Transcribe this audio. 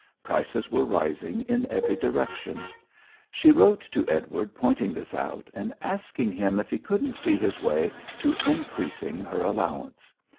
Prices were rising in every direction. She wrote to Edward pointing this out, and asking him if he couldn't see his way to increasing her allowance.